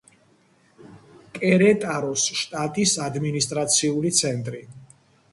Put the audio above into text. კერეტაროს შტატის ადმინისტრაციული ცენტრი.